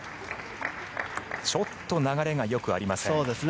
ちょっと流れが良くありません。